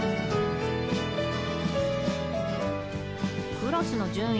クラスの順位